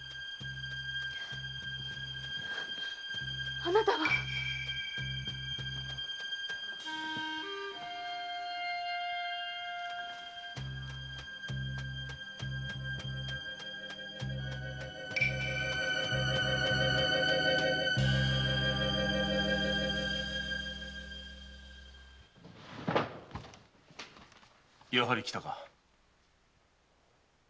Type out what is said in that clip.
あなたはやはり来たか。